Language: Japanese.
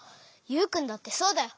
ユウくんだってそうだよ！